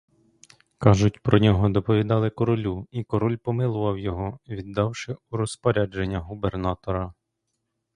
Кажуть, про нього доповідали королю, і король помилував його, віддавши у розпорядження губернатора.